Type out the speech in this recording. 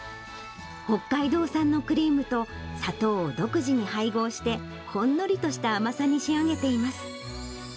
北海道産のクリームと、砂糖を独自に配合して、ほんのりとした甘さに仕上げています。